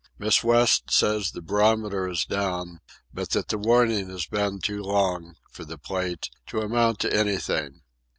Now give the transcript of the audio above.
Miss West says the barometer is down, but that the warning has been too long, for the Plate, to amount to anything.